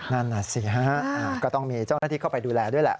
นั่นน่ะสิฮะก็ต้องมีเจ้าหน้าที่เข้าไปดูแลด้วยแหละ